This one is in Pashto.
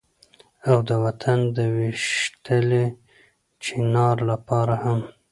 او د وطن د ويشتلي چينار لپاره هم